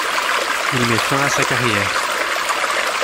Il met fin à sa carrière.